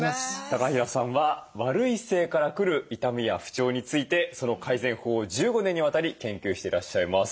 高平さんは悪い姿勢から来る痛みや不調についてその改善法を１５年にわたり研究していらっしゃいます。